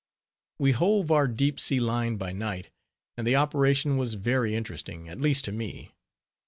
We "hove" our deep sea line by night, and the operation was very interesting, at least to me.